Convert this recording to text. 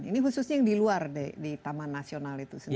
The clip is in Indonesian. ini khususnya yang diluar di taman nasional itu sendiri